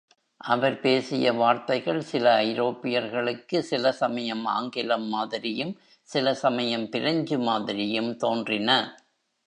அவர் பேசிய வார்த்தைகள் சில ஐரோப்பியர்களுக்கு சில சமயம் ஆங்கிலம் மாதிரியும், சில சமயம் பிரெஞ்சு மாதிரியும் தோன்றின.